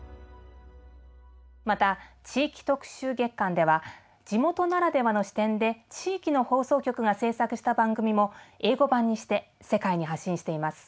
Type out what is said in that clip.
また「地域特集月間」では地元ならではの視点で地域の放送局が制作した番組も英語版にして世界に発信しています。